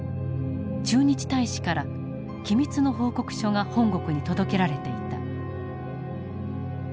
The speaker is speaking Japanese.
駐日大使から機密の報告書が本国に届けられていた。